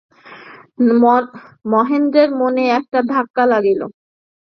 মহেন্দ্রের মনে একটা ধাক্কা লাগিল।